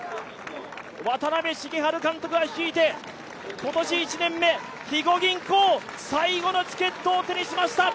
渡辺重治監督が率いて今年１年目、肥後銀行最後のチケットを手にしました。